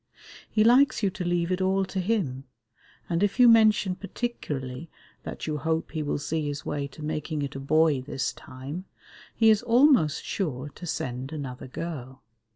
He likes you to leave it all to him, and if you mention particularly that you hope he will see his way to making it a boy this time, he is almost sure to send another girl.